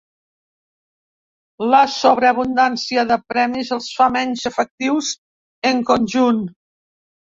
La sobreabundància de premis els fa menys efectius en conjunt.